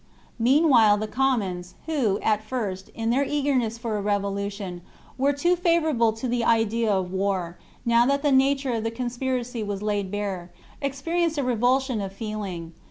'/^ Meanwhile the commons, who, at first, in their eagerness for a revolution, were too favourable to the idea of war, now that the nature of the conspiracy was laid bare, experienced a revulsion of feeling.